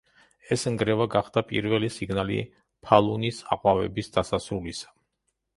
ეს ნგრევა გახდა პირველი სიგნალი ფალუნის აყვავების დასასრულისა.